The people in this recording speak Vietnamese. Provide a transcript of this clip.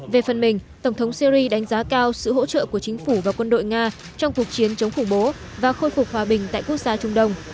về phần mình tổng thống syri đánh giá cao sự hỗ trợ của chính phủ và quân đội nga trong cuộc chiến chống khủng bố và khôi phục hòa bình tại quốc gia trung đông